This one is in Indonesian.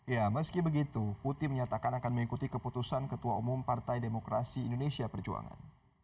ya meski begitu putih menyatakan akan mengikuti keputusan ketua umum partai demokrasi indonesia perjuangan